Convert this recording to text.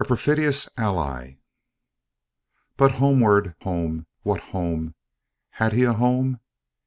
A Perfidious Ally "But homeward home what home? had he a home?